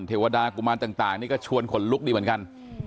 เทวดากุมารต่างนี่ก็ชวนขนลุกดีเหมือนกัน